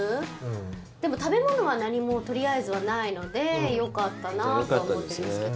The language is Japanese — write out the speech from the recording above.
でも、食べ物は何もとりあえずはないのでよかったなとは思ってるんですけど。